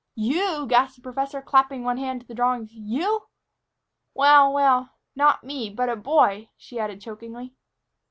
"You!" gasped the professor, clapping one hand to the drawings; "you!" "Well well not me, but a boy," she added chokingly.